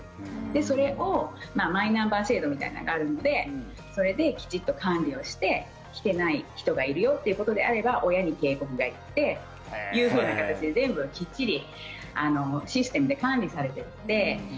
で、それをマイナンバー制度みたいなのがあるのでそれできちんと管理をして来てない人がいるよということであれば親に警告が行ってというふうな形で全部きっちりシステムで管理されていて。